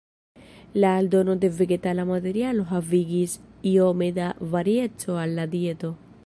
La aldono de vegetala materialo havigis iome da varieco al la dieto.